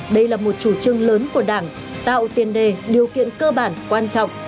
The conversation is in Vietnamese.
đây là một chủ trương lớn của đảng tạo tiền đề điều kiện cơ bản quan trọng